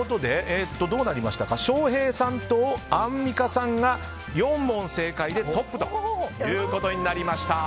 翔平さんとアンミカさんが４問正解でトップということになりました。